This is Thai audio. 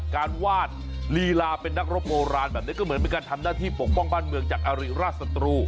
วาดลีลาเป็นนักรบโบราณแบบนี้ก็เหมือนเป็นการทำหน้าที่ปกป้องบ้านเมืองจากอาริราชศัตรู